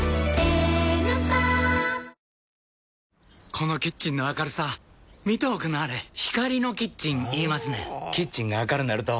このキッチンの明るさ見ておくんなはれ光のキッチン言いますねんほぉキッチンが明るなると・・・